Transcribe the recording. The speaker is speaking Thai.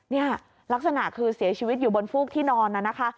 นี่ลักษณะคือเสียชีวิตอยู่บนฟูกที่นอนน่ะนะคะ